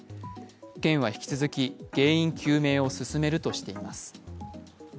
県は引き続き原因究明を進めるとしています。